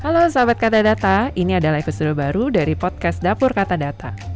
dapur kata data podcast